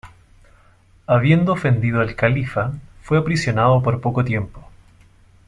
Habiendo ofendido al califa, fue aprisionado por poco tiempo.